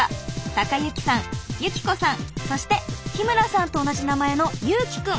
隆之さん由紀子さんそして日村さんと同じ名前の祐希くん。